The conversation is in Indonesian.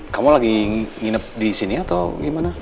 kamu lagi nginep disini atau gimana